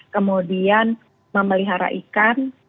kemudian memelihara ikan